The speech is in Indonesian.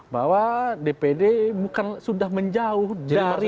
bahwa dpd bukan sudah menjauh dari